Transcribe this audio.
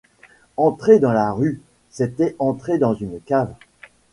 Entrer dans une rue, c’était entrer dans une cave.